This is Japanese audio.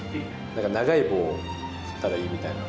なんか長い棒を振ったらいいみたいな。